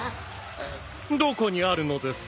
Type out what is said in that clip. どこにあるのです？